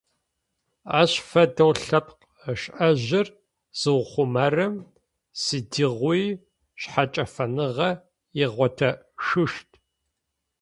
Ащ фэдэу лъэпкъ шӏэжьыр зыухъумэрэм сыдигъуи шъхьэкӏэфэныгъэр игъотышъущт.